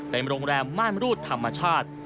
เป็นโรงแรมม่านรูดธรรมชาติ